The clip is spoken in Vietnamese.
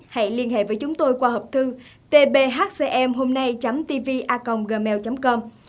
hãy liên hệ với chúng tôi qua hộp thư tbhcmhômnay tvacomgmail com